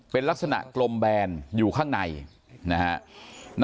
เป็นลักษณะกลมแบนอยู่ข้างในนะฮะ